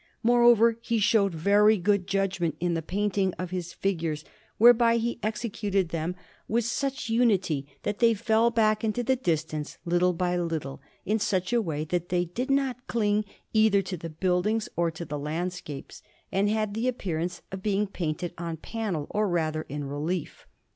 Moreover, he showed very good judgment in the painting of his figures; whereby he executed them with such unity, that they fell back into the distance little by little, in such a way that they did not cling either to the buildings or to the landscapes, and had the appearance of being painted on panel, or rather in relief.